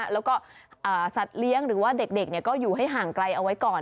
แล้วก็สัตว์เลี้ยงหรือว่าเด็กก็อยู่ให้ห่างไกลเอาไว้ก่อน